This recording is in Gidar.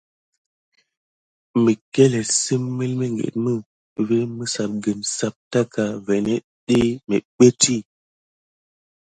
Məckéléte sim milmiŋɠuit mə vi məssapgəne sap taka vanéne ɗyi méɓɓétti.